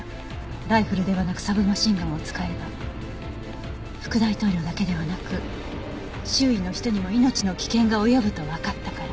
ライフルではなくサブマシンガンを使えば副大統領だけではなく周囲の人にも命の危険が及ぶとわかったから。